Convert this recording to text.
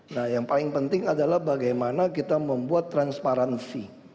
nah yang paling penting adalah bagaimana kita membuat transparansi